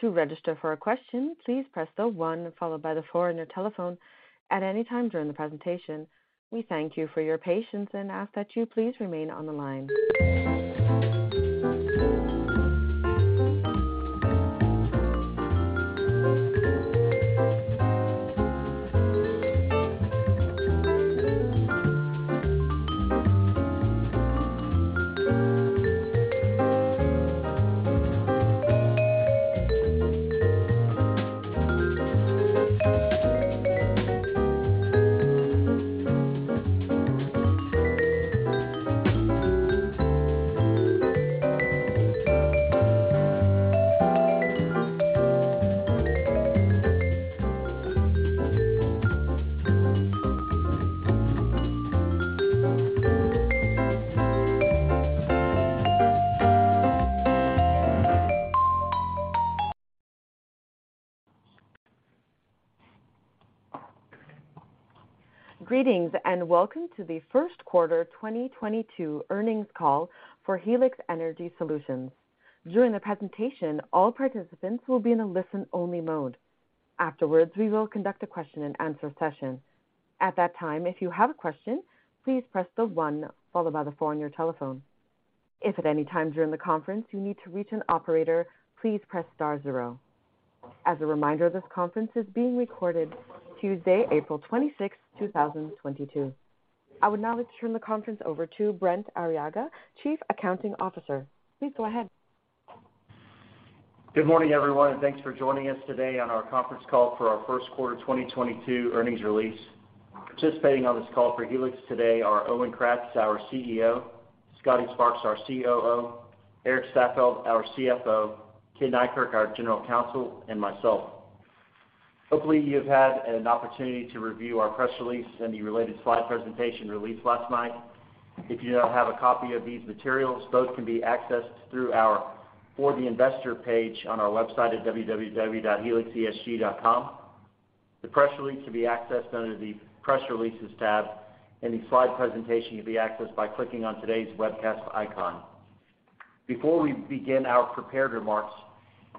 To register for a question, please press the one followed by the four on your telephone at any time during the presentation. We thank you for your patience and ask that you please remain on the line. Greetings, and welcome to the First Quarter 2022 Earnings Call for Helix Energy Solutions. During the presentation, all participants will be in a listen-only mode. Afterwards, we will conduct a Q&A session. At that time, if you have a question, please press the one followed by the four on your telephone. If at any time during the conference you need to reach an operator, please press star zero. As a reminder, this conference is being recorded. Tuesday, April 26, 2022. I would now like to turn the conference over to Brent Arriaga, Chief Accounting Officer. Please go ahead. Good morning, everyone, and thanks for joining us today on our conference call for our first quarter 2022 earnings release. Participating on this call for Helix today are Owen Kratz, our CEO; Scotty Sparks, our COO; Erik Staffeldt, our CFO; Ken Neikirk, our General Counsel; and myself. Hopefully, you have had an opportunity to review our press release and the related slide presentation released last night. If you don't have a copy of these materials, both can be accessed through our For the Investor page on our website at helixesg.com. The press release can be accessed under the Press Releases tab, and the slide presentation can be accessed by clicking on today's webcast icon. Before we begin our prepared remarks,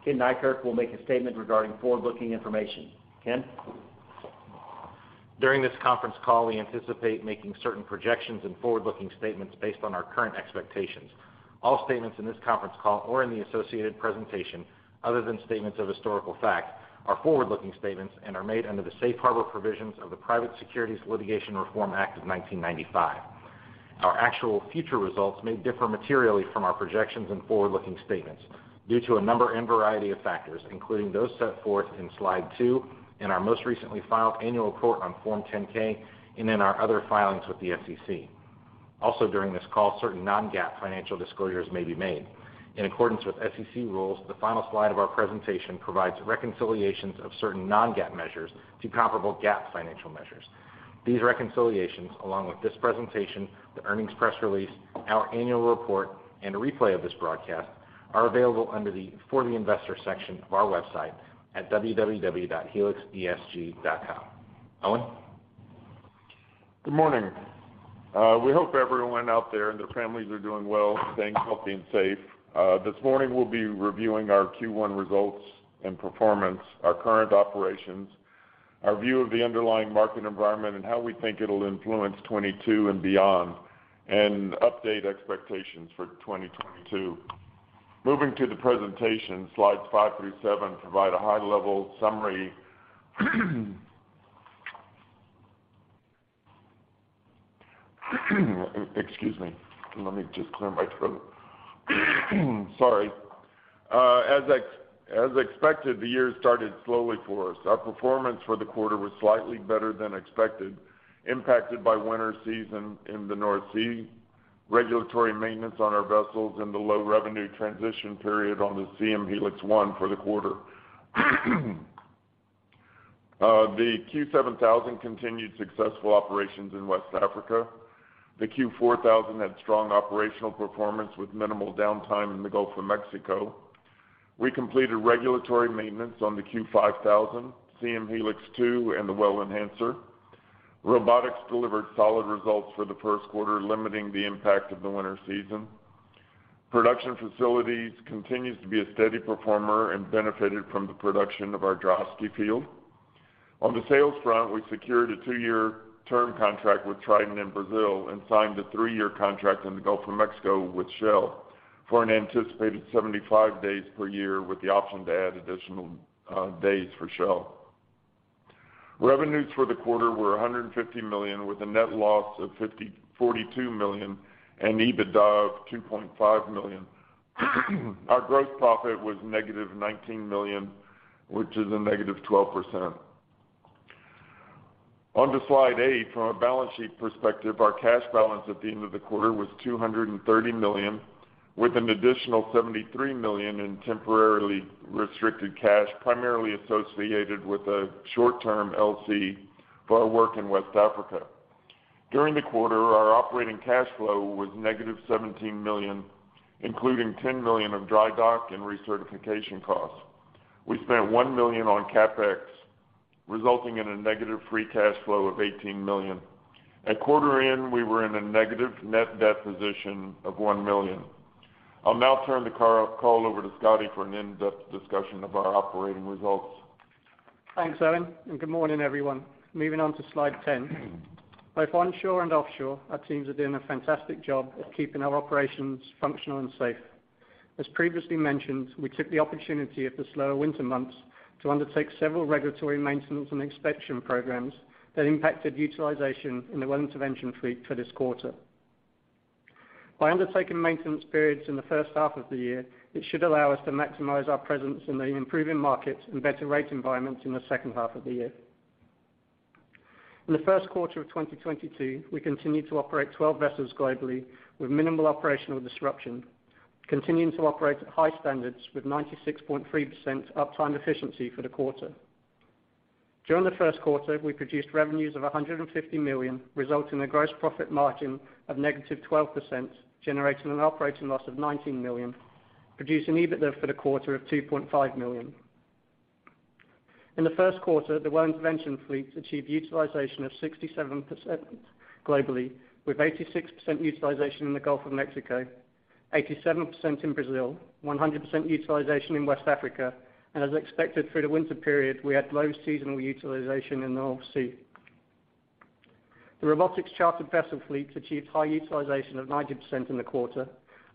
Ken Neikirk will make a statement regarding forward-looking information. Ken. During this conference call, we anticipate making certain projections and forward-looking statements based on our current expectations. All statements in this conference call or in the associated presentation, other than statements of historical fact, are forward-looking statements and are made under the safe harbor provisions of the Private Securities Litigation Reform Act of 1995. Our actual future results may differ materially from our projections and forward-looking statements due to a number and variety of factors, including those set forth in slide two, in our most recently filed annual report on Form 10-K and in our other filings with the SEC. Also, during this call, certain non-GAAP financial disclosures may be made. In accordance with SEC rules, the final slide of our presentation provides reconciliations of certain non-GAAP measures to comparable GAAP financial measures. These reconciliations, along with this presentation, the earnings press release, our annual report, and a replay of this broadcast are available under the For the Investor section of our website at www.helixesg.com. Owen. Good morning. We hope everyone out there and their families are doing well, staying healthy and safe. This morning we'll be reviewing our Q1 results and performance, our current operations, our view of the underlying market environment and how we think it'll influence 2022 and beyond, and update expectations for 2022. Moving to the presentation, slides five through seven provide a high-level summary. As expected, the year started slowly for us. Our performance for the quarter was slightly better than expected, impacted by winter season in the North Sea, regulatory maintenance on our vessels, and the low-revenue transition period on the Siem Helix 1 for the quarter. The Q7000 continued successful operations in West Africa. The Q4000 had strong operational performance with minimal downtime in the Gulf of Mexico. We completed regulatory maintenance on the Q5000, Siem Helix 2, and the Well Enhancer. Robotics delivered solid results for the first quarter, limiting the impact of the winter season. Production facilities continues to be a steady performer and benefited from the production of our Droshky field. On the sales front, we secured a two-year term contract with Trident in Brazil and signed a three-year contract in the Gulf of Mexico with Shell for an anticipated 75 days per year, with the option to add additional days for Shell. Revenues for the quarter were $150 million, with a net loss of $42 million and EBITDA of $2.5 million. Our gross profit was -$19 million, which is a -12%. On to slide eight, from a balance sheet perspective, our cash balance at the end of the quarter was $230 million, with an additional $73 million in temporarily restricted cash, primarily associated with a short-term LC for our work in West Africa. During the quarter, our operating cash flow was negative $17 million, including $10 million of dry dock and recertification costs. We spent $1 million on CapEx. Resulting in a negative free cash flow of $18 million. At quarter end, we were in a negative net debt position of $1 million. I'll now turn the call over to Scotty for an in-depth discussion of our operating results. Thanks, Owen, and good morning, everyone. Moving on to slide 10. Both onshore and offshore, our teams are doing a fantastic job of keeping our operations functional and safe. As previously mentioned, we took the opportunity of the slower winter months to undertake several regulatory maintenance and inspection programs that impacted utilization in the well intervention fleet for this quarter. By undertaking maintenance periods in the first half of the year, it should allow us to maximize our presence in the improving markets and better rate environments in the second half of the year. In the first quarter of 2022, we continued to operate 12 vessels globally with minimal operational disruption, continuing to operate at high standards with 96.3% uptime efficiency for the quarter. During the first quarter, we produced revenues of $150 million, resulting in a gross profit margin of -12%, generating an operating loss of $19 million, producing EBITDA for the quarter of $2.5 million. In the first quarter, the well intervention fleet achieved utilization of 67% globally, with 86% utilization in the Gulf of Mexico, 87% in Brazil, 100% utilization in West Africa, and as expected through the winter period, we had low seasonal utilization in the North Sea. The robotics chartered vessel fleet achieved high utilization of 90% in the quarter,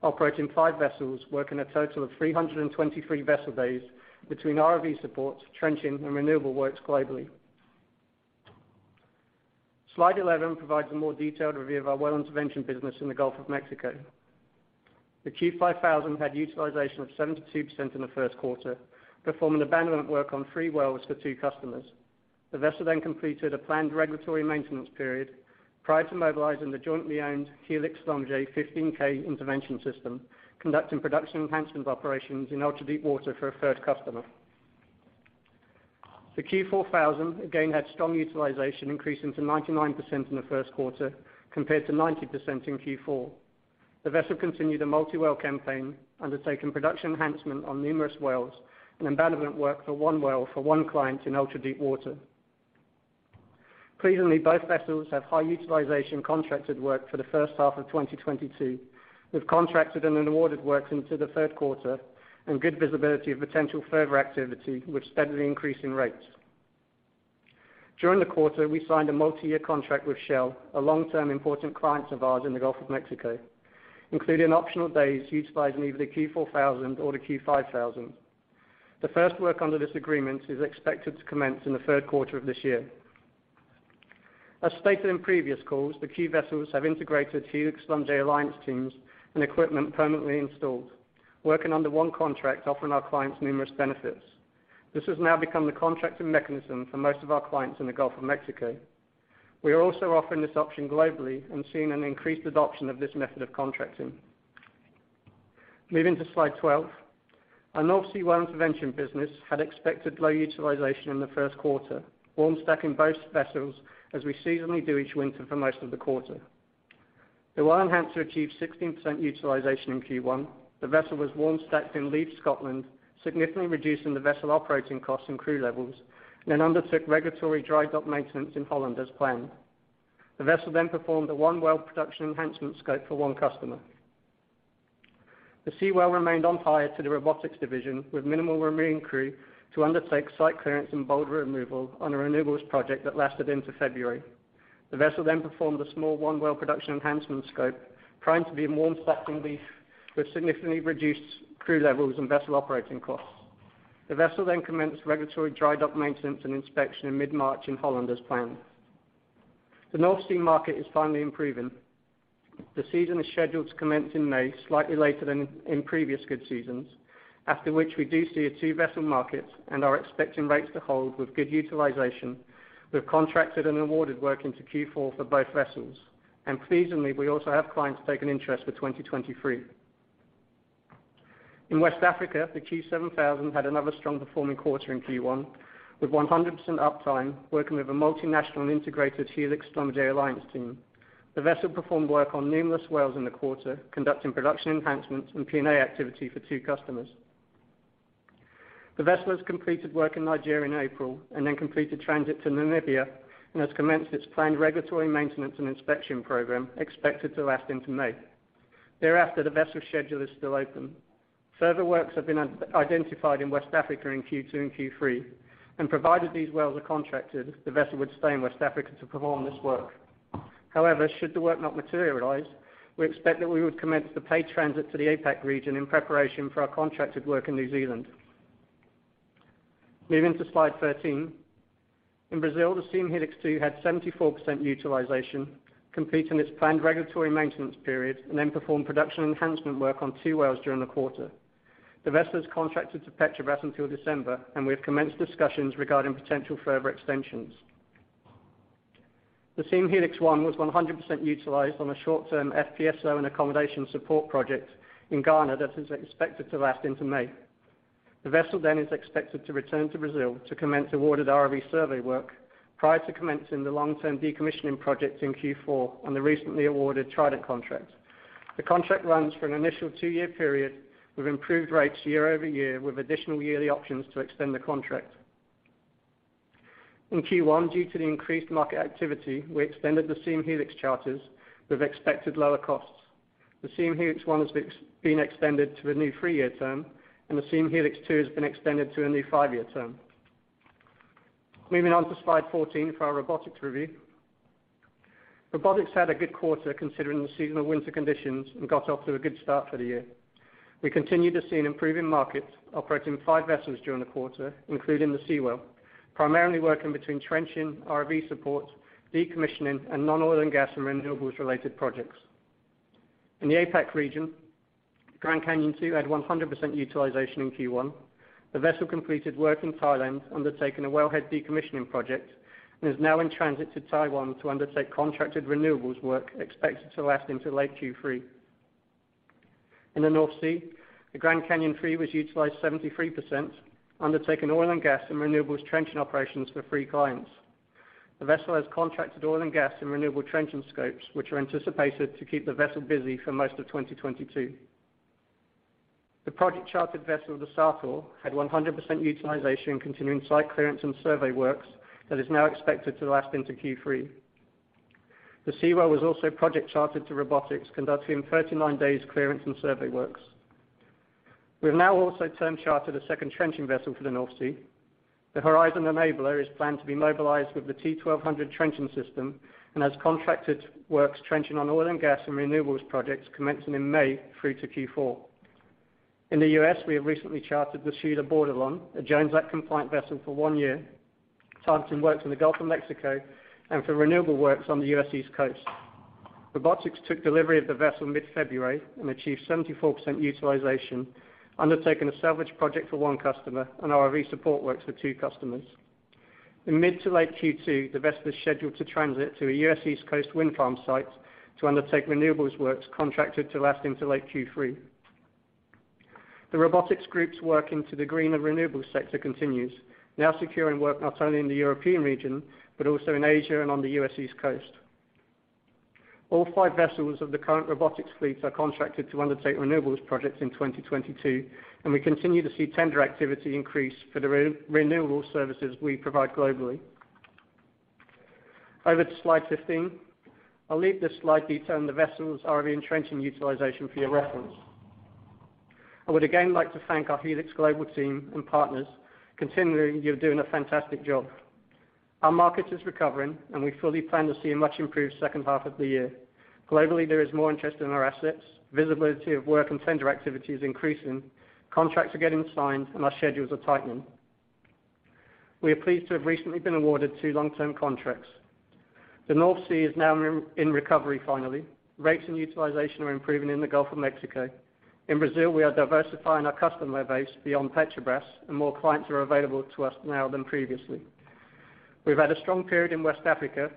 operating five vessels, working a total of 323 vessel days between ROV support, trenching, and renewable works globally. Slide 11 provides a more detailed review of our well intervention business in the Gulf of Mexico. The Q5000 had utilization of 72% in the first quarter, performing abandonment work on three wells for two customers. The vessel then completed a planned regulatory maintenance period prior to mobilizing the jointly owned Helix-Schlumberger 15K intervention system, conducting production enhancement operations in ultra-deep water for a third customer. The Q4000 again had strong utilization, increasing to 99% in the first quarter compared to 90% in Q4. The vessel continued a multi-well campaign, undertaking production enhancement on numerous wells and abandonment work for one well for one client in ultra-deep water. Pleasingly, both vessels have high utilization contracted work for the first half of 2022, with contracted and awarded works into the third quarter and good visibility of potential further activity with steadily increasing rates. During the quarter, we signed a multi-year contract with Shell, a long-term important client of ours in the Gulf of Mexico, including optional days utilizing either the Q4000 or the Q5000. The first work under this agreement is expected to commence in the third quarter of this year. As stated in previous calls, the key vessels have integrated Helix-Schlumberger alliance teams and equipment permanently installed, working under one contract offering our clients numerous benefits. This has now become the contracting mechanism for most of our clients in the Gulf of Mexico. We are also offering this option globally and seeing an increased adoption of this method of contracting. Moving to slide 12. Our North Sea Well Intervention business had expected low utilization in the first quarter, warm stacking both vessels as we seasonally do each winter for most of the quarter. The Well Enhancer achieved 16% utilization in Q1. The vessel was warm stacked in Leith, Scotland, significantly reducing the vessel operating costs and crew levels, and then undertook regulatory dry dock maintenance in Holland as planned. The vessel then performed a one well production enhancement scope for one customer. The Seawell remained on hire to the robotics division with minimal remaining crew to undertake site clearance and boulder removal on a renewables project that lasted into February. The vessel then performed a small one well production enhancement scope, primed to be in warm stacking in Leith with significantly reduced crew levels and vessel operating costs. The vessel then commenced regulatory dry dock maintenance and inspection in mid-March in Holland as planned. The North Sea market is finally improving. The season is scheduled to commence in May, slightly later than in previous good seasons, after which we do see a two-vessel market and are expecting rates to hold with good utilization. We've contracted and awarded work into Q4 for both vessels. Pleasingly, we also have clients taking interest for 2023. In West Africa, the Q7000 had another strong performing quarter in Q1, with 100% uptime, working with a multinational integrated Helix-Schlumberger alliance team. The vessel performed work on numerous wells in the quarter, conducting production enhancements and P&A activity for two customers. The vessel has completed work in Nigeria in April and then completed transit to Namibia and has commenced its planned regulatory maintenance and inspection program expected to last into May. Thereafter, the vessel schedule is still open. Further works have been identified in West Africa in Q2 and Q3, and provided these wells are contracted, the vessel would stay in West Africa to perform this work. However, should the work not materialize, we expect that we would commence the paid transit to the APAC region in preparation for our contracted work in New Zealand. Moving to slide 13. In Brazil, the Siem Helix 2 had 74% utilization, completing its planned regulatory maintenance period and then performed production enhancement work on two wells during the quarter. The vessel is contracted to Petrobras until December, and we have commenced discussions regarding potential further extensions. The Siem Helix 1 was 100% utilized on a short-term FPSO and accommodation support project in Ghana that is expected to last into May. The vessel is expected to return to Brazil to commence awarded ROV survey work prior to commencing the long-term decommissioning projects in Q4 on the recently awarded Trident contract. The contract runs for an initial two-year period with improved rates year-over-year, with additional yearly options to extend the contract. In Q1, due to the increased market activity, we extended the Siem Helix charters with expected lower costs. The Siem Helix 1 has been extended to a new three-year term, and the Siem Helix 2 has been extended to a new five-year term. Moving on to slide 14 for our Robotics review. Robotics had a good quarter considering the seasonal winter conditions and got off to a good start for the year. We continue to see an improving market operating five vessels during the quarter, including the Seawell, primarily working between trenching, ROV support, decommissioning and non-oil and gas and renewables related projects. In the APAC region, Grand Canyon II had 100% utilization in Q1. The vessel completed work in Thailand, undertaking a wellhead decommissioning project, and is now in transit to Taiwan to undertake contracted renewables work expected to last into late Q3. In the North Sea, the Grand Canyon III was utilized 73%, undertaking oil and gas and renewables trenching operations for three clients. The vessel has contracted oil and gas and renewable trenching scopes, which are anticipated to keep the vessel busy for most of 2022. The project-chartered vessel, the Sartor, had 100% utilization, continuing site clearance and survey works that is now expected to last into Q3. The Seawell was also project chartered to Robotics, conducting 39 days clearance and survey works. We have now also term chartered a second trenching vessel for the North Sea. The Horizon Enabler is planned to be mobilized with the T1200 trenching system and has contracted works trenching on oil and gas and renewables projects commencing in May through to Q4. In the U.S., we have recently chartered the Sheila Bordelon, a Jones Act compliant vessel for one year, targeting works in the Gulf of Mexico and for renewable works on the U.S. East Coast. Robotics took delivery of the vessel mid-February and achieved 74% utilization, undertaking a salvage project for one customer and ROV support works for two customers. In mid to late Q2, the vessel is scheduled to transit to a U.S. East Coast wind farm site to undertake renewables works contracted to last into late Q3. The Robotics group's work into the green and renewable sector continues, now securing work not only in the European region, but also in Asia and on the U.S. East Coast. All five vessels of the current Robotics fleet are contracted to undertake renewables projects in 2022, and we continue to see tender activity increase for the renewable services we provide globally. Over to slide 15. I'll leave this slide detailing the vessels ROV and trenching utilization for your reference. I would again like to thank our Helix Global team and partners. Continually, you're doing a fantastic job. Our market is recovering, and we fully plan to see a much improved second half of the year. Globally, there is more interest in our assets, visibility of work and tender activity is increasing, contracts are getting signed, and our schedules are tightening. We are pleased to have recently been awarded two long-term contracts. The North Sea is now in recovery finally. Rates and utilization are improving in the Gulf of Mexico. In Brazil, we are diversifying our customer base beyond Petrobras, and more clients are available to us now than previously. We've had a strong period in West Africa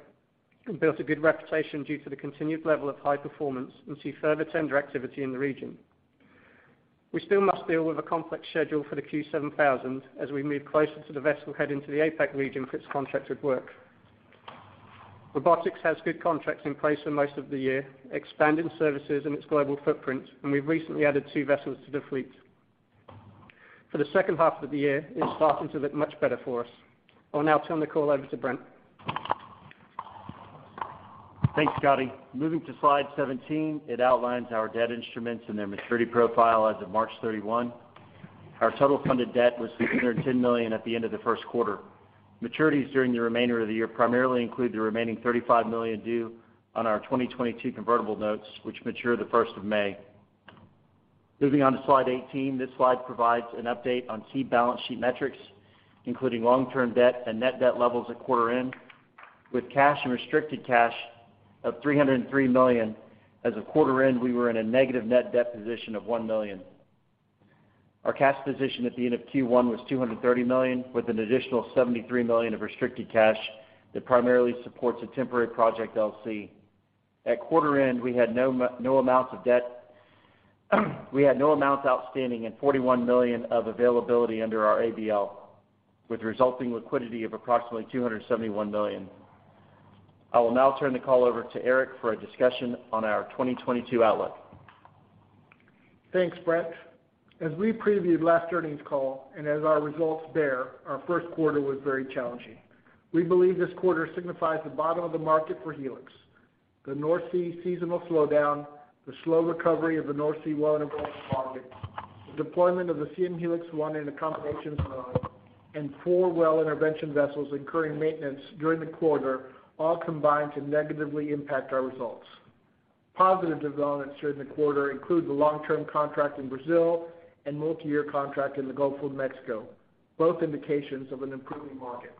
and built a good reputation due to the continued level of high performance, and see further tender activity in the region. We still must deal with a complex schedule for the Q7000 as we move closer to the vessel heading to the APAC region for its contracted work. Robotics has good contracts in place for most of the year, expanding services and its global footprint, and we've recently added two vessels to the fleet. For the second half of the year, it's starting to look much better for us. I'll now turn the call over to Brent. Thanks, Scotty. Moving to slide 17, it outlines our debt instruments and their maturity profile as of March 31. Our total funded debt was $610 million at the end of the first quarter. Maturities during the remainder of the year primarily include the remaining $35 million due on our 2022 convertible notes, which mature May 1. Moving on to slide 18, this slide provides an update on key balance sheet metrics, including long-term debt and net debt levels at quarter end. With cash and restricted cash of $303 million, as of quarter end, we were in a negative net debt position of $1 million. Our cash position at the end of Q1 was $230 million, with an additional $73 million of restricted cash that primarily supports a temporary project LC. At quarter end, we had no amounts of debt outstanding and $41 million of availability under our ABL, with resulting liquidity of approximately $271 million. I will now turn the call over to Erik for a discussion on our 2022 outlook. Thanks, Brent. As we previewed last earnings call and as our results bear, our first quarter was very challenging. We believe this quarter signifies the bottom of the market for Helix. The North Sea seasonal slowdown, the slow recovery of the North Sea well Intervention market, the deployment of the Siem Helix 1 in a combination floater, and four well intervention vessels incurring maintenance during the quarter all combined to negatively impact our results. Positive developments during the quarter include the long-term contract in Brazil and multi-year contract in the Gulf of Mexico, both indications of an improving market.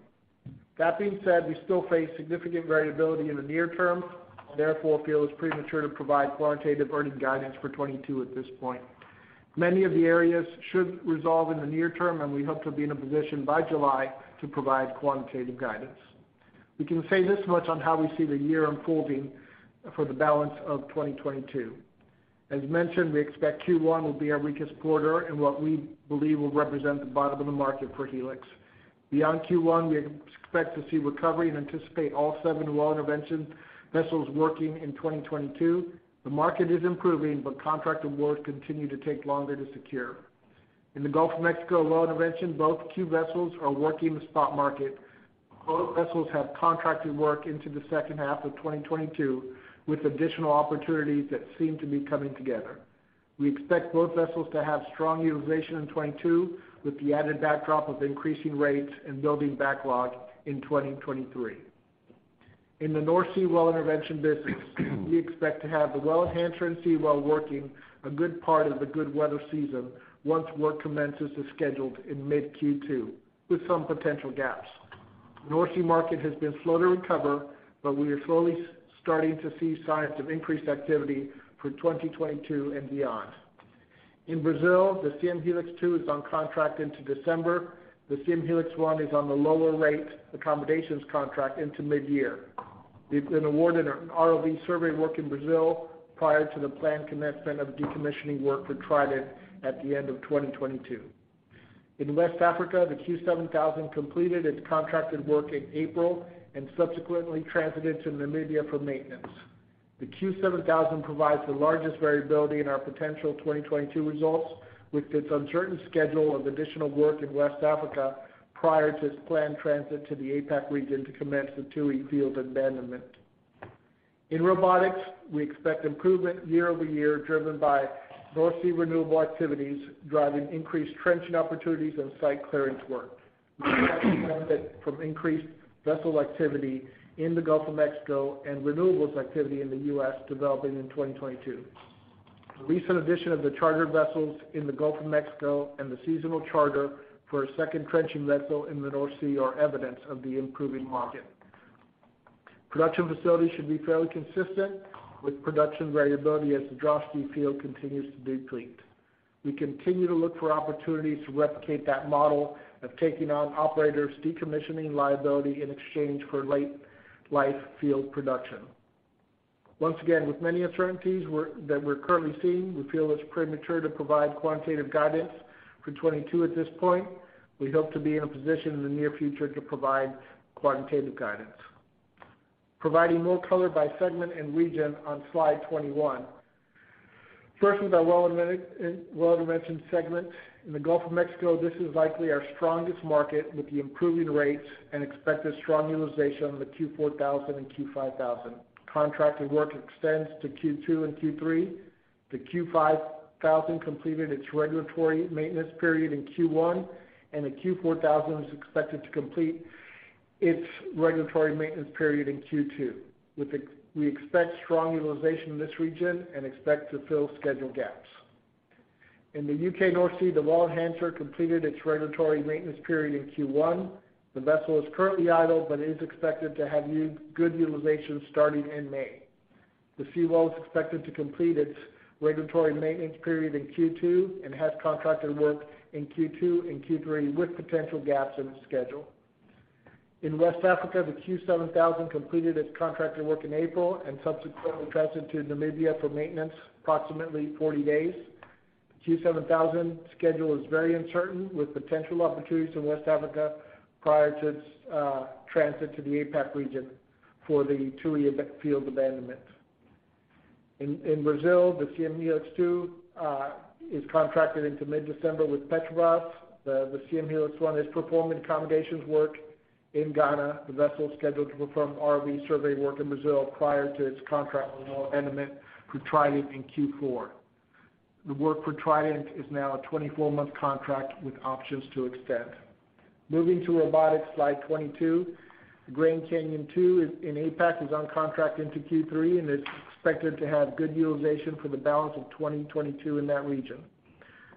That being said, we still face significant variability in the near term and therefore feel it's premature to provide quantitative earnings guidance for 2022 at this point. Many of the areas should resolve in the near term, and we hope to be in a position by July to provide quantitative guidance. We can say this much on how we see the year unfolding for the balance of 2022. As mentioned, we expect Q1 will be our weakest quarter and what we believe will represent the bottom of the market for Helix. Beyond Q1, we expect to see recovery and anticipate all seven well intervention vessels working in 2022. The market is improving, but contract awards continue to take longer to secure. In the Gulf of Mexico well intervention, both Q vessels are working the spot market. Both vessels have contracted work into the second half of 2022, with additional opportunities that seem to be coming together. We expect both vessels to have strong utilization in 2022, with the added backdrop of increasing rates and building backlog in 2023. In the North Sea Well Intervention business, we expect to have the Well Enhancer and Seawell working a good part of the good weather season once work commences as scheduled in mid Q2 with some potential gaps. North Sea market has been slow to recover, but we are slowly starting to see signs of increased activity for 2022 and beyond. In Brazil, the Siem Helix 2 is on contract into December. The Siem Helix 1 is on the lower rate accommodations contract into mid-year. We've been awarded an ROV survey work in Brazil prior to the planned commencement of decommissioning work for Trident at the end of 2022. In West Africa, the Q7000 completed its contracted work in April and subsequently transited to Namibia for maintenance. The Q7000 provides the largest variability in our potential 2022 results, with its uncertain schedule of additional work in West Africa prior to its planned transit to the APAC region to commence the Tui field abandonment. In robotics, we expect improvement year-over-year, driven by North Sea renewable activities, driving increased trenching opportunities and site clearance work. We expect to benefit from increased vessel activity in the Gulf of Mexico and renewables activity in the U.S. developing in 2022. The recent addition of the chartered vessels in the Gulf of Mexico and the seasonal charter for a second trenching vessel in the North Sea are evidence of the improving market. Production facilities should be fairly consistent with production variability as the Droshky field continues to deplete. We continue to look for opportunities to replicate that model of taking on operators decommissioning liability in exchange for late life field production. Once again, with many uncertainties that we're currently seeing, we feel it's premature to provide quantitative guidance for 2022 at this point. We hope to be in a position in the near future to provide quantitative guidance. Providing more color by segment and region on slide 21. First, with our well intervention segment. In the Gulf of Mexico, this is likely our strongest market with the improving rates and expected strong utilization of the Q4000 and Q5000. Contracted work extends to Q2 and Q3. The Q5000 completed its regulatory maintenance period in Q1, and the Q4000 is expected to complete its regulatory maintenance period in Q2. With, we expect strong utilization in this region and expect to fill schedule gaps. In the U.K. North Sea, the Well Enhancer completed its regulatory maintenance period in Q1. The vessel is currently idle but is expected to have good utilization starting in May. The Seawell is expected to complete its regulatory maintenance period in Q2 and has contracted work in Q2 and Q3 with potential gaps in its schedule. In West Africa, the Q7000 completed its contracted work in April and subsequently transited to Namibia for maintenance, approximately 40 days. The Q7000 schedule is very uncertain, with potential opportunities in West Africa prior to its transit to the APAC region for the Tui field abandonment. In Brazil, the Siem Helix 2 is contracted into mid-December with Petrobras. The Siem Helix 1 is performing accommodations work in Ghana. The vessel is scheduled to perform ROV survey work in Brazil prior to its contract with well abandonment for Trident in Q4. The work for Trident is now a 24-month contract with options to extend. Moving to robotics, slide 22. The Grand Canyon II in APAC is on contract into Q3 and is expected to have good utilization for the balance of 2022 in that region.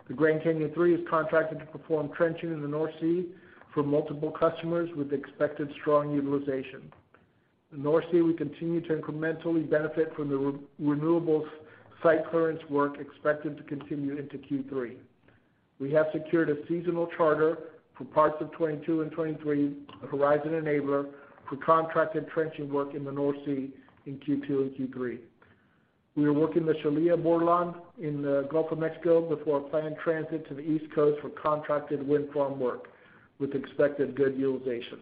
The Grand Canyon III is contracted to perform trenching in the North Sea for multiple customers with expected strong utilization. In the North Sea, we continue to incrementally benefit from the renewables site clearance work expected to continue into Q3. We have secured a seasonal charter for parts of 2022 and 2023 with Horizon Enabler for contracted trenching work in the North Sea in Q2 and Q3. We are working the Sheila Bordelon in the Gulf of Mexico before a planned transit to the East Coast for contracted wind farm work with expected good utilization.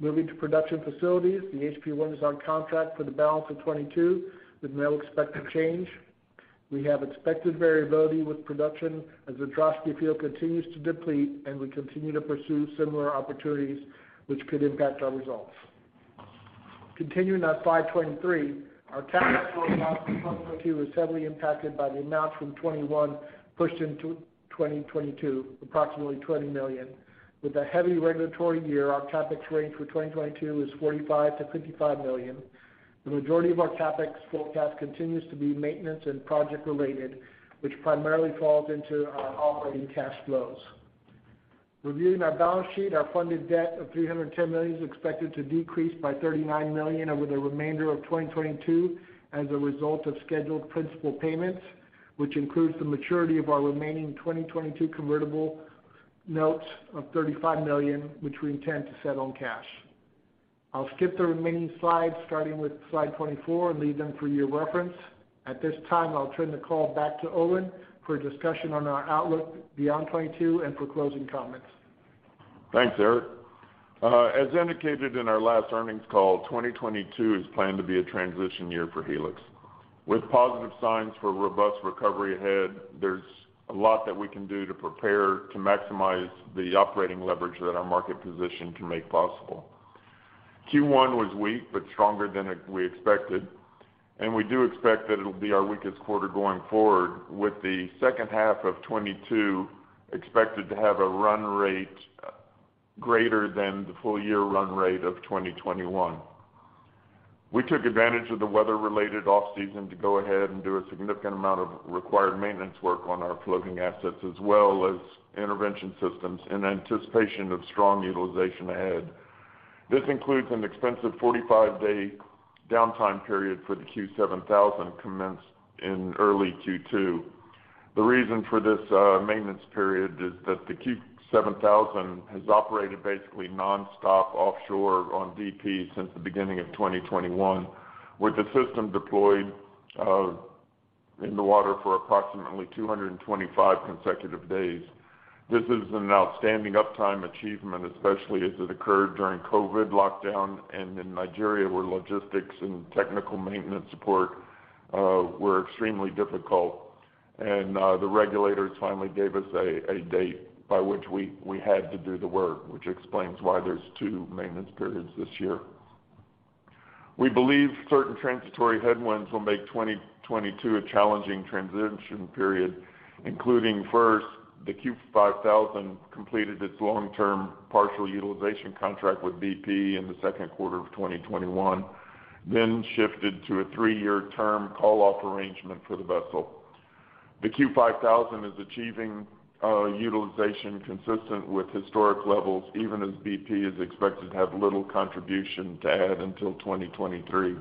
Moving to production facilities, the HP I is on contract for the balance of 2022 with no expected change. We have expected variability with production as the Droshky field continues to deplete, and we continue to pursue similar opportunities which could impact our results. Continuing on slide 23, our CapEx forecast for 2022 is heavily impacted by the amount from 2021 pushed into 2022, approximately $20 million. With a heavy regulatory year, our CapEx range for 2022 is $45 million-$55 million. The majority of our CapEx forecast continues to be maintenance and project-related, which primarily falls into our operating cash flows. Reviewing our balance sheet, our funded debt of $310 million is expected to decrease by $39 million over the remainder of 2022 as a result of scheduled principal payments, which includes the maturity of our remaining 2022 convertible notes of $35 million, which we intend to settle in cash. I'll skip the remaining slides, starting with slide 24, and leave them for your reference. At this time, I'll turn the call back to Owen for a discussion on our outlook beyond 2022 and for closing comments. Thanks, Erik. As indicated in our last earnings call, 2022 is planned to be a transition year for Helix. With positive signs for robust recovery ahead, there's a lot that we can do to prepare to maximize the operating leverage that our market position can make possible. Q1 was weak but stronger than we expected, and we do expect that it'll be our weakest quarter going forward, with the second half of 2022 expected to have a run rate greater than the full year run rate of 2021. We took advantage of the weather-related off-season to go ahead and do a significant amount of required maintenance work on our floating assets as well as intervention systems in anticipation of strong utilization ahead. This includes an expensive 45-day downtime period for the Q7000 commenced in early Q2. The reason for this maintenance period is that the Q7000 has operated basically nonstop offshore on BP since the beginning of 2021, with the system deployed in the water for approximately 225 consecutive days. This is an outstanding uptime achievement, especially as it occurred during COVID lockdown and in Nigeria, where logistics and technical maintenance support were extremely difficult. The regulators finally gave us a date by which we had to do the work, which explains why there's two maintenance periods this year. We believe certain transitory headwinds will make 2022 a challenging transition period, including first, the Q5000 completed its long-term partial utilization contract with BP in the second quarter of 2021, then shifted to a three-year term call-off arrangement for the vessel. The Q5000 is achieving utilization consistent with historic levels, even as BP is expected to have little contribution to add until 2023.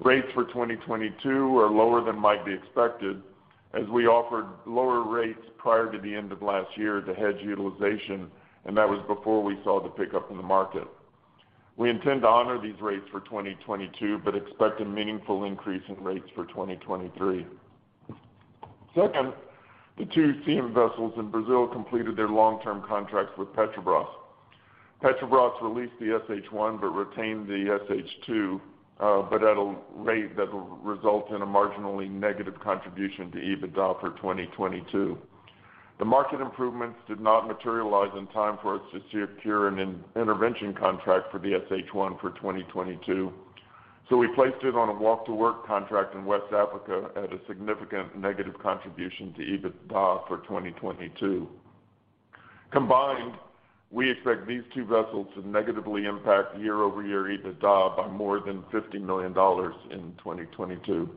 Rates for 2022 are lower than might be expected, as we offered lower rates prior to the end of last year to hedge utilization, and that was before we saw the pickup in the market. We intend to honor these rates for 2022, but expect a meaningful increase in rates for 2023. Second, the two Siem vessels in Brazil completed their long-term contracts with Petrobras. Petrobras released the SH1 but retained the SH2, but at a rate that will result in a marginally negative contribution to EBITDA for 2022. The market improvements did not materialize in time for us to secure an intervention contract for the SH1 for 2022. We placed it on a walk-to-work contract in West Africa at a significant negative contribution to EBITDA for 2022. Combined, we expect these two vessels to negatively impact year-over-year EBITDA by more than $50 million in 2022.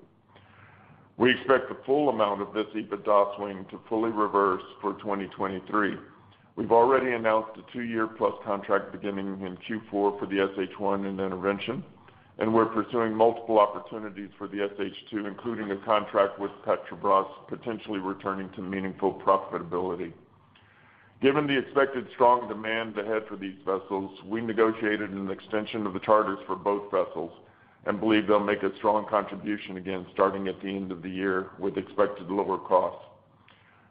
We expect the full amount of this EBITDA swing to fully reverse for 2023. We've already announced a two-year-plus contract beginning in Q4 for the Siem Helix 1 in intervention, and we're pursuing multiple opportunities for the Siem Helix 2, including a contract with Petrobras, potentially returning to meaningful profitability. Given the expected strong demand ahead for these vessels, we negotiated an extension of the charters for both vessels and believe they'll make a strong contribution again starting at the end of the year, with expected lower costs.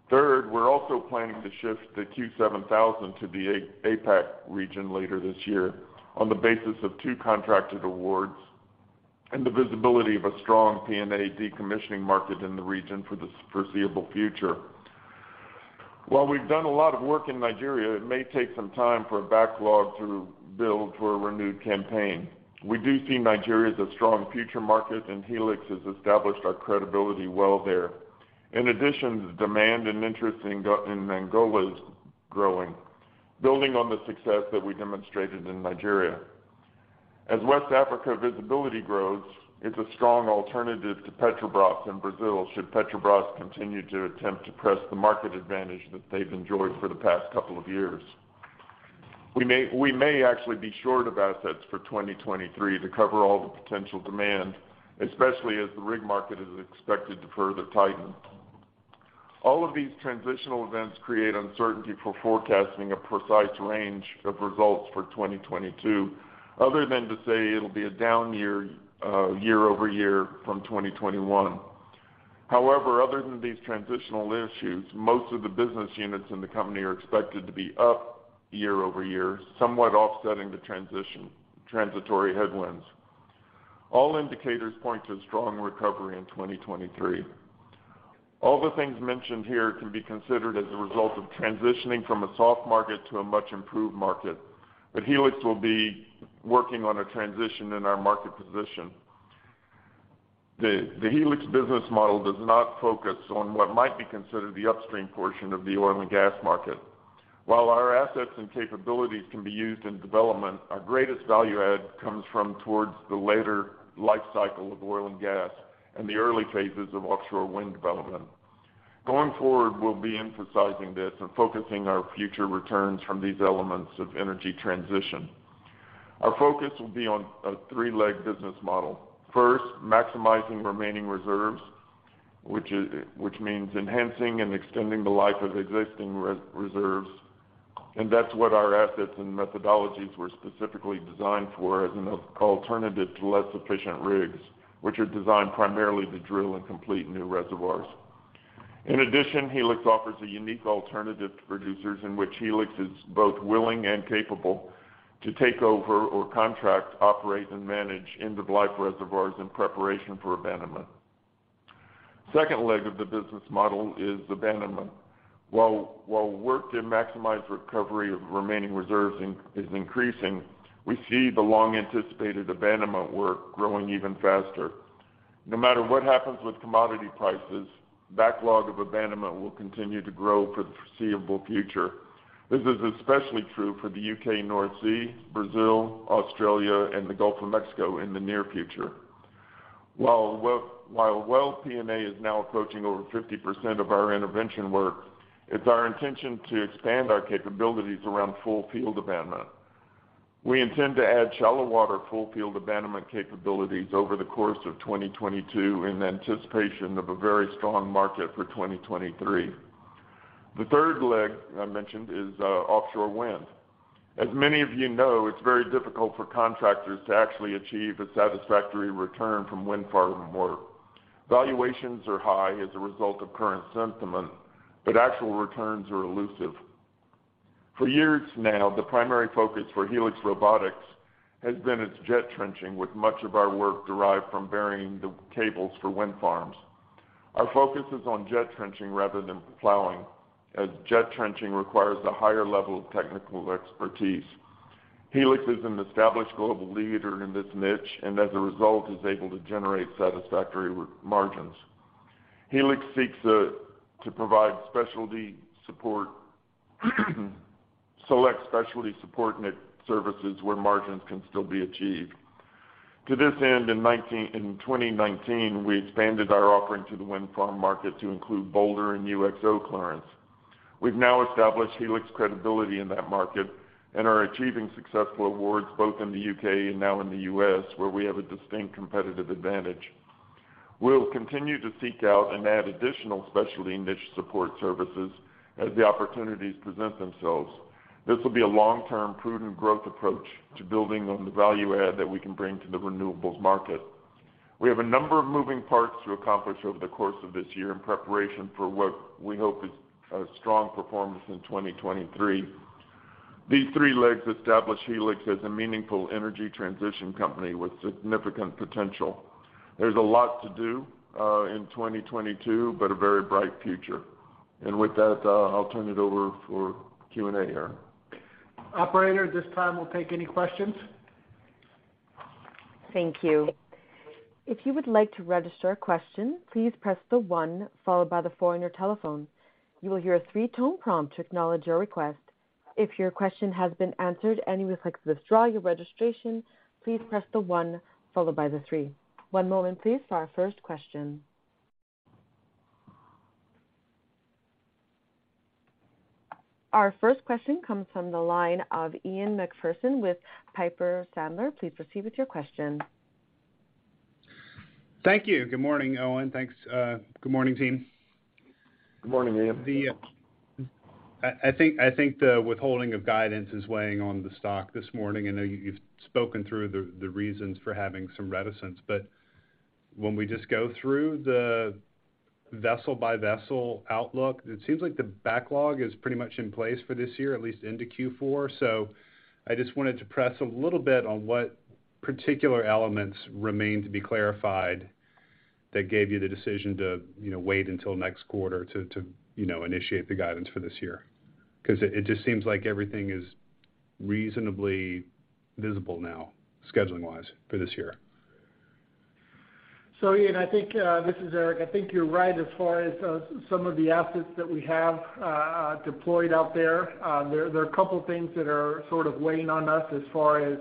Third, we're also planning to shift the Q7000 to the APAC region later this year on the basis of two contracted awards and the visibility of a strong P&A decommissioning market in the region for the foreseeable future. While we've done a lot of work in Nigeria, it may take some time for a backlog to build for a renewed campaign. We do see Nigeria as a strong future market, and Helix has established our credibility well there. In addition, the demand and interest in Angola is growing, building on the success that we demonstrated in Nigeria. As West Africa visibility grows, it's a strong alternative to Petrobras in Brazil, should Petrobras continue to attempt to press the market advantage that they've enjoyed for the past couple of years. We may actually be short of assets for 2023 to cover all the potential demand, especially as the rig market is expected to further tighten. All of these transitional events create uncertainty for forecasting a precise range of results for 2022, other than to say it'll be a down year year-over-year from 2021. However, other than these transitional issues, most of the business units in the company are expected to be up year-over-year, somewhat offsetting the transitory headwinds. All indicators point to a strong recovery in 2023. All the things mentioned here can be considered as a result of transitioning from a soft market to a much improved market. Helix will be working on a transition in our market position. The Helix business model does not focus on what might be considered the upstream portion of the oil and gas market. While our assets and capabilities can be used in development, our greatest value add comes from towards the later life cycle of oil and gas and the early phases of offshore wind development. Going forward, we'll be emphasizing this and focusing our future returns from these elements of energy transition. Our focus will be on a three-leg business model. First, maximizing remaining reserves, which means enhancing and extending the life of existing reserves. That's what our assets and methodologies were specifically designed for as an alternative to less efficient rigs, which are designed primarily to drill and complete new reservoirs. In addition, Helix offers a unique alternative to producers in which Helix is both willing and capable to take over or contract, operate, and manage end-of-life reservoirs in preparation for abandonment. Second leg of the business model is abandonment. While work to maximize recovery of remaining reserves is increasing, we see the long-anticipated abandonment work growing even faster. No matter what happens with commodity prices, backlog of abandonment will continue to grow for the foreseeable future. This is especially true for the U.K. North Sea, Brazil, Australia, and the Gulf of Mexico in the near future. While well P&A is now approaching over 50% of our intervention work, it's our intention to expand our capabilities around full field abandonment. We intend to add shallow water full field abandonment capabilities over the course of 2022 in anticipation of a very strong market for 2023. The third leg I mentioned is offshore wind. As many of you know, it's very difficult for contractors to actually achieve a satisfactory return from wind farming work. Valuations are high as a result of current sentiment, but actual returns are elusive. For years now, the primary focus for Helix Robotics has been its jet trenching, with much of our work derived from burying the cables for wind farms. Our focus is on jet trenching rather than plowing, as jet trenching requires a higher level of technical expertise. Helix is an established global leader in this niche, and as a result, is able to generate satisfactory margins. Helix seeks to provide specialty support, select specialty support niche services where margins can still be achieved. To this end, in 2019, we expanded our offering to the wind farm market to include boulder and UXO clearance. We've now established Helix credibility in that market and are achieving successful awards both in the U.K. and now in the U.S., where we have a distinct competitive advantage. We'll continue to seek out and add additional specialty niche support services as the opportunities present themselves. This will be a long-term, prudent growth approach to building on the value add that we can bring to the renewables market. We have a number of moving parts to accomplish over the course of this year in preparation for what we hope is a strong performance in 2023. These three legs establish Helix as a meaningful energy transition company with significant potential. There's a lot to do in 2022, but a very bright future. With that, I'll turn it over for Q&A, Erik. Operator, at this time, we'll take any questions. Thank you. If you would like to register a question, please press the one followed by the four on your telephone. You will hear a three-tone prompt to acknowledge your request. If your question has been answered and you would like to withdraw your registration, please press the one followed by the three. One moment, please, for our first question. Our first question comes from the line of Ian MacPherson with Piper Sandler. Please proceed with your question. Thank you. Good morning, Owen. Thanks. Good morning, team. Good morning, Ian. I think the withholding of guidance is weighing on the stock this morning. I know you've spoken through the reasons for having some reticence, but when we just go through the vessel-by-vessel outlook, it seems like the backlog is pretty much in place for this year, at least into Q4. I just wanted to press a little bit on what particular elements remain to be clarified that gave you the decision to you know, wait until next quarter to you know, initiate the guidance for this year. 'Cause it just seems like everything is reasonably visible now, scheduling-wise, for this year. Ian, I think this is Erik. I think you're right as far as some of the assets that we have deployed out there. There are a couple things that are sort of weighing on us as far as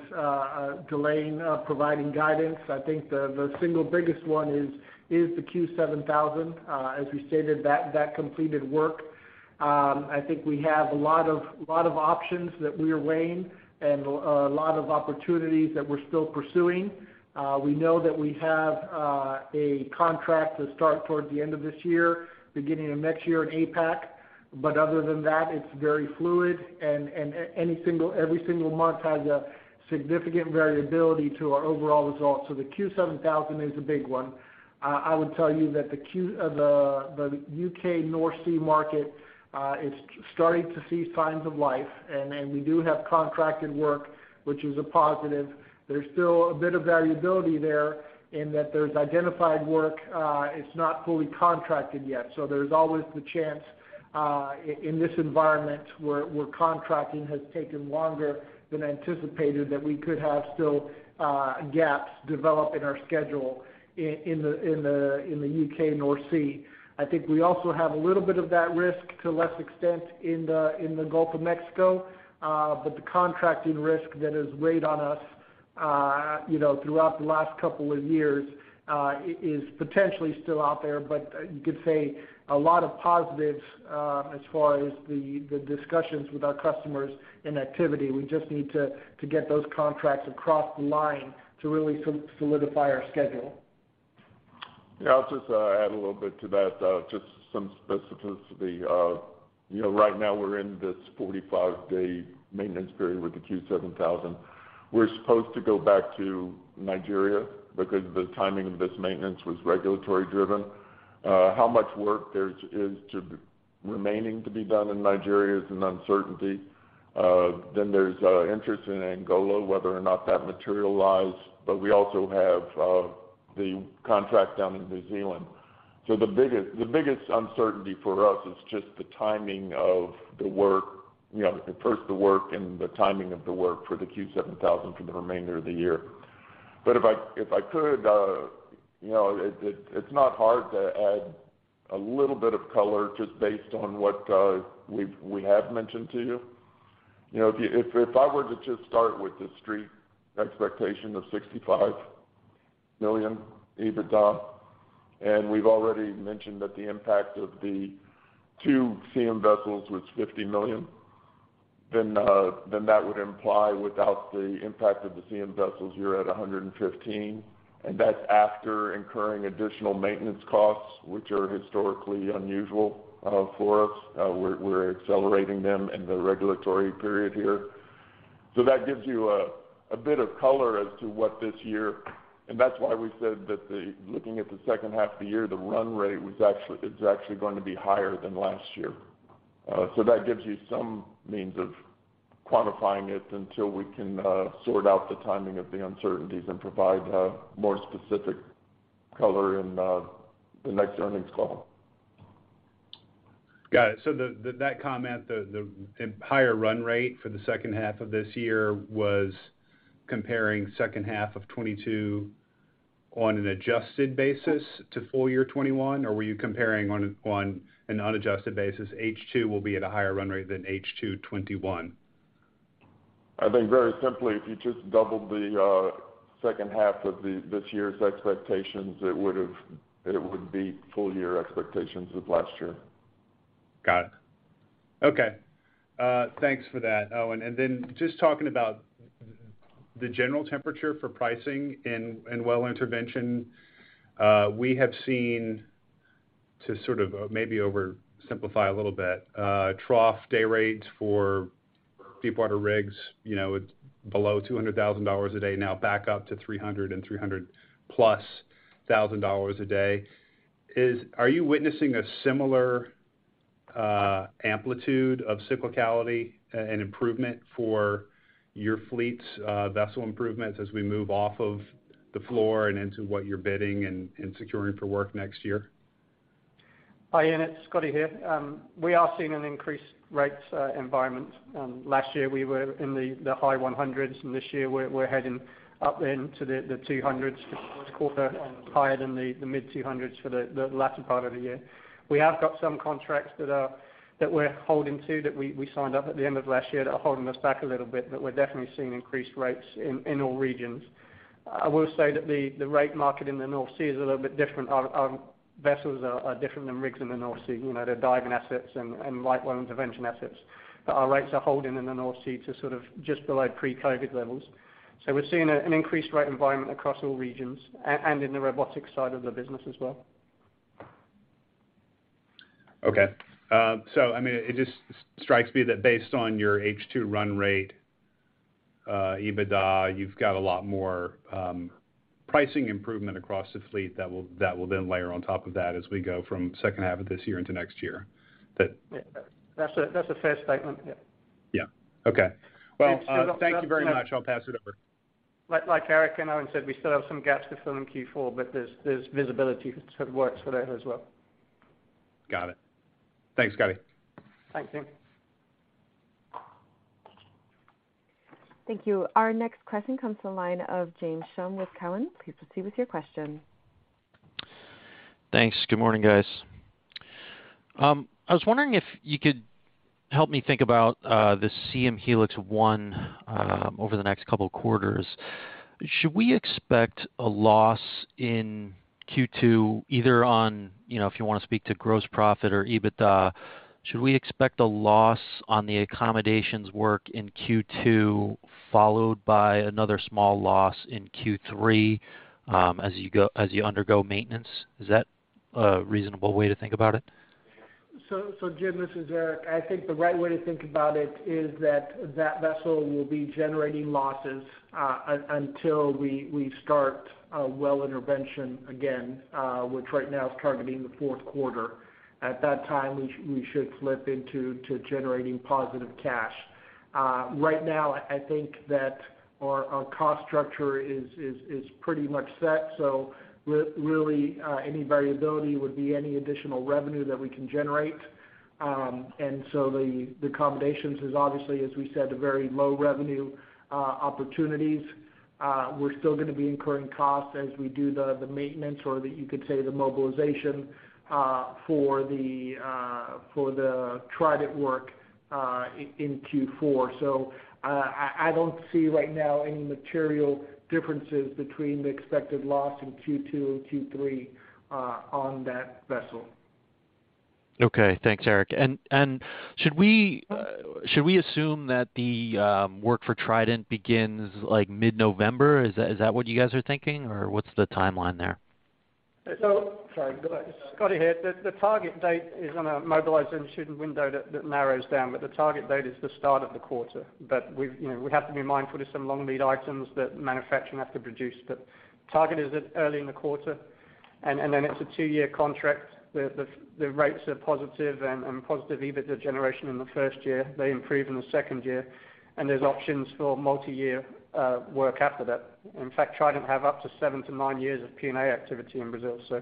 delaying providing guidance. I think the single biggest one is the Q7000. As we stated, that completed work. I think we have a lot of options that we are weighing and a lot of opportunities that we're still pursuing. We know that we have a contract to start toward the end of this year, beginning of next year in APAC, but other than that, it's very fluid and every single month has a significant variability to our overall results. The Q7000 is a big one. I would tell you that the U.K. North Sea market is starting to see signs of life and we do have contracted work, which is a positive. There's still a bit of variability there in that there's identified work, it's not fully contracted yet. There's always the chance in this environment where contracting has taken longer than anticipated, that we could have still gaps develop in our schedule in the U.K. North Sea. I think we also have a little bit of that risk to a lesser extent in the Gulf of Mexico, but the contracting risk that has weighed on us, you know, throughout the last couple of years, is potentially still out there. You could say a lot of positives as far as the discussions with our customers and activity. We just need to get those contracts across the line to really solidify our schedule. Yeah, I'll just add a little bit to that, just some specificity. You know, right now we're in this 45-day maintenance period with the Q7000. We're supposed to go back to Nigeria because the timing of this maintenance was regulatory driven. How much work there is remaining to be done in Nigeria is an uncertainty. There's interest in Angola, whether or not that materialized, but we also have the contract down in New Zealand. The biggest uncertainty for us is just the timing of the work, you know, first the work and the timing of the work for the Q7000 for the remainder of the year. If I could, you know, it's not hard to add a little bit of color just based on what we have mentioned to you. You know, if I were to just start with the street expectation of $65 million EBITDA, and we have already mentioned that the impact of the two Siem vessels was $50 million, then that would imply without the impact of the Siem vessels, you're at $115 million. And that's after incurring additional maintenance costs, which are historically unusual for us. We're accelerating them in the regulatory period here. That gives you a bit of color as to what this year. That's why we said that looking at the second half of the year, the run rate is actually going to be higher than last year. So that gives you some means of quantifying it until we can sort out the timing of the uncertainties and provide more specific color in the next earnings call. Got it. That comment, the higher run rate for the second half of this year was comparing second half of 2022 on an adjusted basis to full year 2021, or were you comparing on an unadjusted basis, H2 will be at a higher run rate than H2 2021? I think very simply, if you just doubled the second half of this year's expectations, it would be full year expectations of last year. Got it. Okay. Thanks for that, Owen. Just talking about the general temperature for pricing in well intervention, we have seen to sort of maybe oversimplify a little bit, trough day rates for deepwater rigs, you know, below $200,000 a day now back up to $300,000 and $300,000+ dollars a day. Are you witnessing a similar amplitude of cyclicality and improvement for your fleet's vessel improvements as we move off of the floor and into what you're bidding and securing for work next year? Hi, Ian. It's Scotty here. We are seeing an increased rates environment. Last year we were in the high 100s, and this year we're heading up into the 200s for the first quarter and higher than the mid-200s for the latter part of the year. We have got some contracts that we're holding to that we signed up at the end of last year that are holding us back a little bit, but we're definitely seeing increased rates in all regions. I will say that the rate market in the North Sea is a little bit different. Our vessels are different than rigs in the North Sea. You know, they're diving assets and light well intervention assets. Our rates are holding in the North Sea to sort of just below pre-COVID levels. We're seeing an increased rate environment across all regions and in the robotics side of the business as well. Okay. I mean, it just strikes me that based on your H2 run rate, EBITDA, you've got a lot more pricing improvement across the fleet that will then layer on top of that as we go from second half of this year into next year. Yeah. That's a fair statement. Yeah. Yeah. Okay. Well, thank you very much. I'll pass it over. Like Erik and Owen said, we still have some gaps to fill in Q4, but there's visibility for work as well. Got it. Thanks, Scotty. Thanks, Ian. Thank you. Our next question comes from the line of James Schumm with Cowen. Please proceed with your question. Thanks. Good morning, guys. I was wondering if you could help me think about the Siem Helix 1 over the next couple quarters. Should we expect a loss in Q2, either on, you know, if you wanna speak to gross profit or EBITDA, should we expect a loss on the accommodations work in Q2 followed by another small loss in Q3, as you undergo maintenance? Is that a reasonable way to think about it? Jim, this is Erik. I think the right way to think about it is that that vessel will be generating losses until we start well intervention again, which right now is targeting the fourth quarter. At that time, we should flip into generating positive cash. Right now, I think that our cost structure is pretty much set. Really, any variability would be any additional revenue that we can generate. The accommodations is obviously, as we said, a very low revenue opportunities. We're still gonna be incurring costs as we do the maintenance or, you could say, the mobilization for the Trident work in Q4. I don't see right now any material differences between the expected loss in Q2 or Q3 on that vessel. Okay. Thanks, Erik. Should we assume that the work for Trident begins like mid-November? Is that what you guys are thinking, or what's the timeline there? Sorry, go ahead. Scotty here. The target date is on a mobilized and shooting window that narrows down, but the target date is the start of the quarter. But we've you know, we have to be mindful of some long-lead items that manufacturing have to produce. But target is early in the quarter, and then it's a two-year contract. The rates are positive and positive EBITDA generation in the first year. They improve in the second year, and there's options for multi-year work after that. In fact, Trident have up to seven to nine years of P&A activity in Brazil. So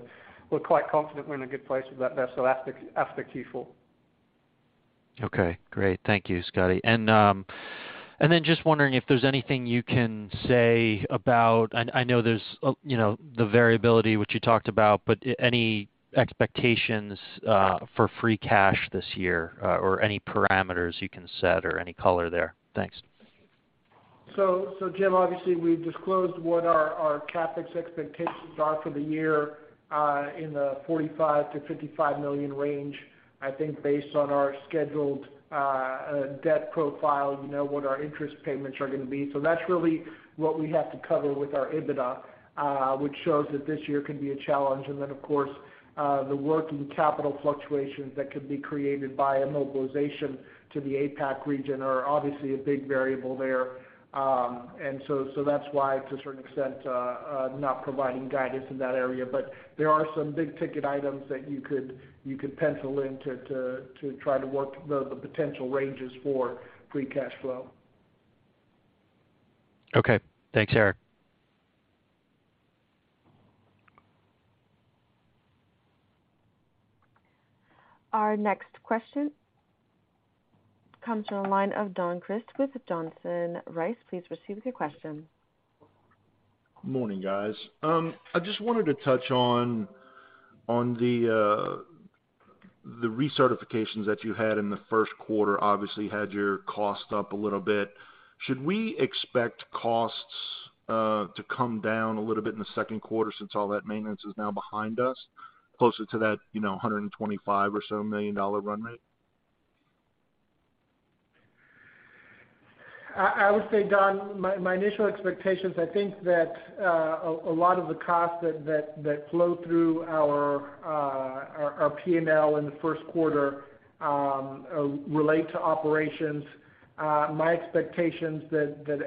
we're quite confident we're in a good place with that vessel after Q4. Okay, great. Thank you, Scottie. Then just wondering if there's anything you can say about the variability which you talked about, but any expectations for free cash this year, or any parameters you can set or any color there? Thanks. Jim, obviously, we've disclosed what our CapEx expectations are for the year in the $45 million-$55 million range. I think based on our scheduled debt profile, you know, what our interest payments are gonna be. That's really what we have to cover with our EBITDA, which shows that this year can be a challenge. Of course, the working capital fluctuations that could be created by a mobilization to the APAC region are obviously a big variable there. That's why to a certain extent not providing guidance in that area. There are some big ticket items that you could pencil in to try to work the potential ranges for free cash flow. Okay. Thanks, Erik. Our next question comes from the line of Don Crist with Johnson Rice. Please proceed with your question. Morning, guys. I just wanted to touch on the recertifications that you had in the first quarter obviously had your cost up a little bit. Should we expect costs to come down a little bit in the second quarter since all that maintenance is now behind us, closer to that, you know, $125 million or so run rate? I would say, Don, my initial expectations, I think that a lot of the costs that flow through our P&L in the first quarter relate to operations. My expectation's that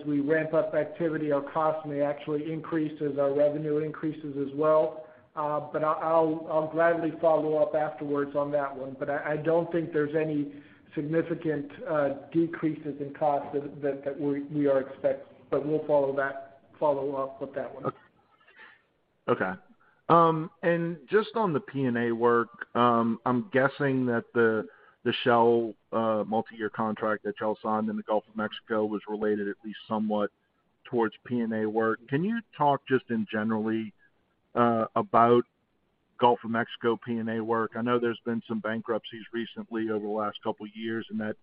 as we ramp up activity, our costs may actually increase as our revenue increases as well. I'll gladly follow up afterwards on that one. I don't think there's any significant decreases in cost that we are expecting, but we'll follow up with that one. Just on the P&A work, I'm guessing that the Shell multi-year contract that y'all signed in the Gulf of Mexico was related at least somewhat toward P&A work. Can you talk just generally about Gulf of Mexico P&A work? I know there's been some bankruptcies recently over the last couple years, and that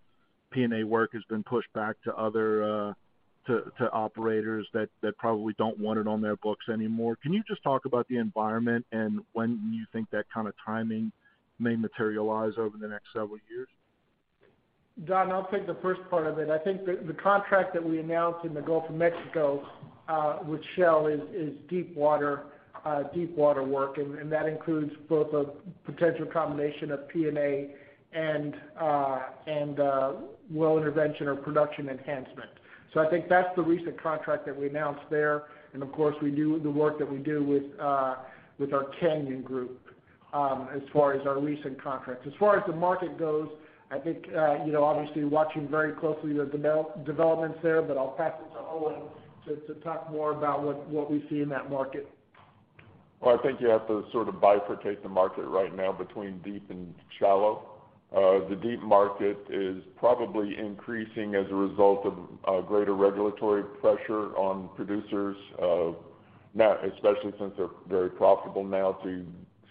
P&A work has been pushed back to other to operators that probably don't want it on their books anymore. Can you just talk about the environment and when you think that kind of timing may materialize over the next several years? Don, I'll take the first part of it. I think the contract that we announced in the Gulf of Mexico with Shell is deep water work, and that includes both a potential combination of P&A and well intervention or production enhancement. I think that's the recent contract that we announced there. Of course, we do the work that we do with our Canyon group as far as our recent contracts. As far as the market goes, I think you know, obviously watching very closely the developments there, but I'll pass it to Owen to talk more about what we see in that market. Well, I think you have to sort of bifurcate the market right now between deep and shallow. The deep market is probably increasing as a result of greater regulatory pressure on producers now, especially since they're very profitable now to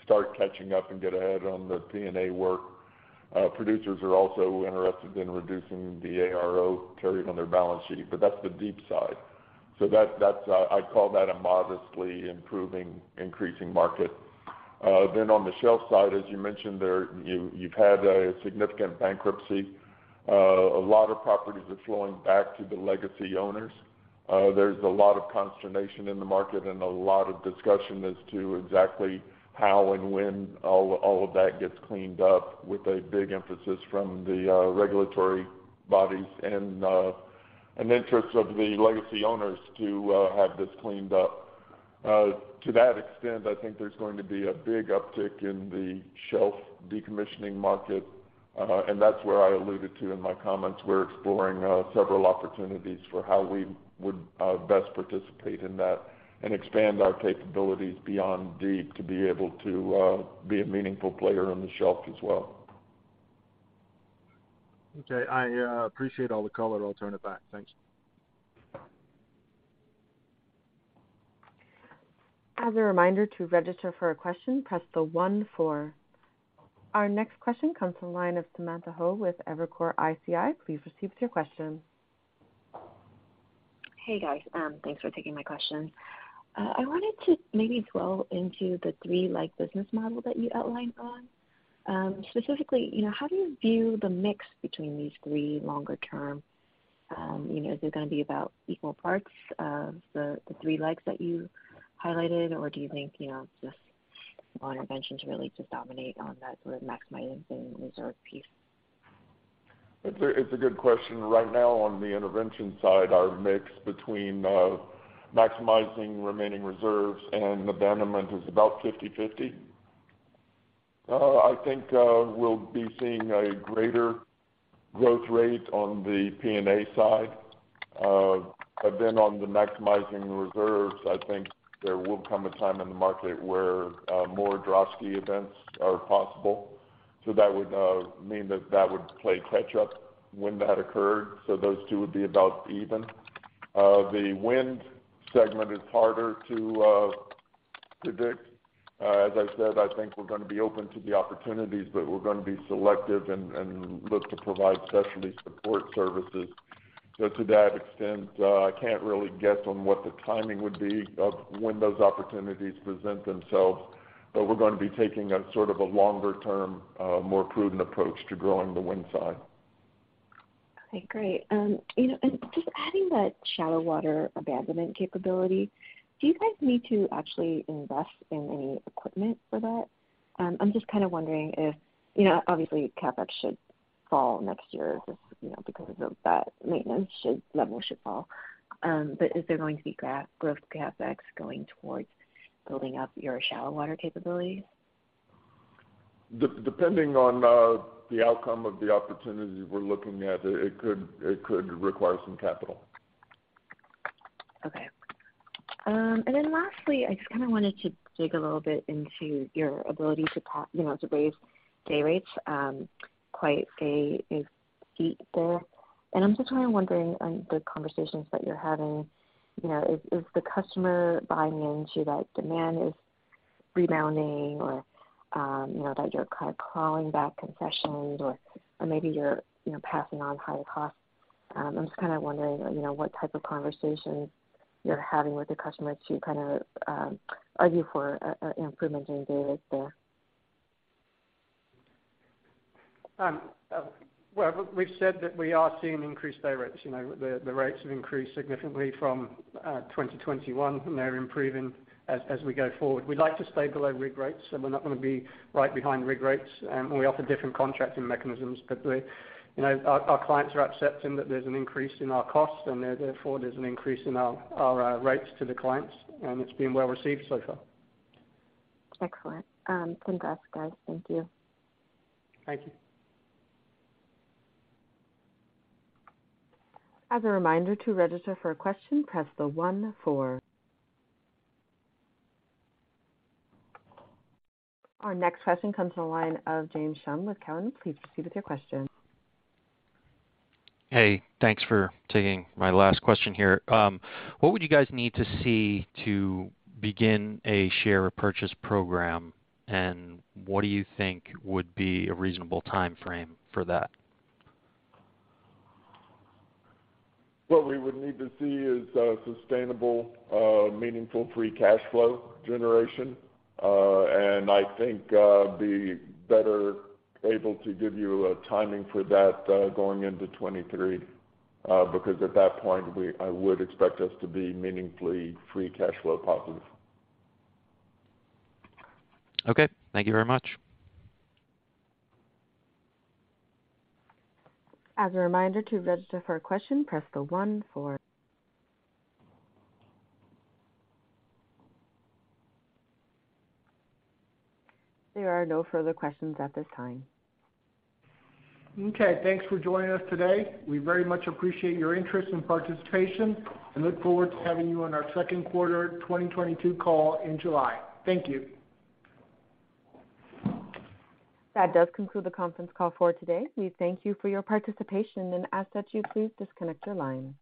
start catching up and get ahead on their P&A work. Producers are also interested in reducing the ARO carried on their balance sheet, but that's the deep side. That's, I'd call that a modestly improving, increasing market. Then on the shelf side, as you mentioned there, you've had a significant bankruptcy. A lot of properties are flowing back to the legacy owners. There's a lot of consternation in the market and a lot of discussion as to exactly how and when all of that gets cleaned up with a big emphasis from the regulatory bodies and interest of the legacy owners to have this cleaned up. To that extent, I think there's going to be a big uptick in the shelf decommissioning market, and that's where I alluded to in my comments. We're exploring several opportunities for how we would best participate in that and expand our capabilities beyond deep to be able to be a meaningful player on the shelf as well. Okay. I appreciate all the color. I'll turn it back. Thanks. Our next question comes from the line of Samantha Hoh with Evercore ISI. Please proceed with your question. Hey guys, thanks for taking my questions. I wanted to maybe dwell into the three leg business model that you outlined on. Specifically, you know, how do you view the mix between these three longer term? You know, is it gonna be about equal parts of the three legs that you highlighted? Or do you think, you know, just one intervention to really just dominate on that sort of maximizing reserve piece? It's a good question. Right now on the intervention side, our mix between maximizing remaining reserves and abandonment is about 50/50. I think we'll be seeing a greater growth rate on the P&A side. On the maximizing reserves, I think there will come a time in the market where more Droshky events are possible. That would mean that would play catch up when that occurred. Those two would be about even. The well segment is harder to predict. As I said, I think we're gonna be open to the opportunities, but we're gonna be selective and look to provide specialty support services. To that extent, I can't really guess on what the timing would be of when those opportunities present themselves, but we're gonna be taking a sort of a longer term, more prudent approach to growing the wind side. Okay, great. You know, and just adding that shallow water abandonment capability, do you guys need to actually invest in any equipment for that? I'm just kinda wondering if, you know, obviously CapEx should fall next year just, you know, because of that maintenance level should fall. But is there going to be growth CapEx going towards building up your shallow water capabilities? Depending on the outcome of the opportunities we're looking at, it could require some capital. Okay. Then lastly, I just kinda wanted to dig a little bit into your ability to you know, to raise day rates, quite a feat there. I'm just kinda wondering on the conversations that you're having, you know, is the customer buying into that demand is rebounding or, you know, that you're kind of clawing back concessions or maybe you're, you know, passing on higher costs. I'm just kinda wondering, you know, what type of conversations you're having with your customers to kind of argue for improvement in day rates there. Well, we've said that we are seeing increased day rates. You know, the rates have increased significantly from 2021, and they're improving as we go forward. We'd like to stay below rig rates, so we're not gonna be right behind rig rates. We offer different contracting mechanisms. We, you know, our clients are accepting that there's an increase in our costs and therefore there's an increase in our rates to the clients, and it's been well received so far. Excellent. Congrats guys. Thank you. Thank you. As a reminder, to register for a question, press star one. Our next question comes from the line of James Schumm with Cowen. Please proceed with your question. Hey, thanks for taking my last question here. What would you guys need to see to begin a share purchase program? What do you think would be a reasonable timeframe for that? What we would need to see is a sustainable, meaningful free cash flow generation. I think be better able to give you a timing for that, going into 2023, because at that point, we, I would expect us to be meaningfully free cash flow positive. Okay. Thank you very much. As a reminder, to register for a question, press the one four. There are no further questions at this time. Okay. Thanks for joining us today. We very much appreciate your interest and participation and look forward to having you on our second quarter 2022 call in July. Thank you. That does conclude the conference call for today. We thank you for your participation and ask that you please disconnect your line.